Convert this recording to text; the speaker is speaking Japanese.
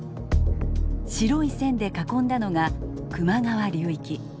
白い線で囲んだのが球磨川流域。